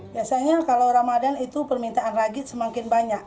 biasanya kalau ramadan itu permintaan ragit semakin banyak